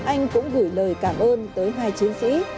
anh cũng gửi lời cảm ơn tới hai chiến sĩ